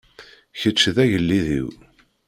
Kečč d agellid-iw.